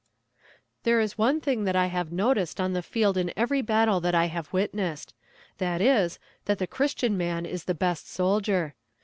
There is one thing that I have noticed on the field in every battle that I have witnessed, viz.: that the christian man is the best soldier.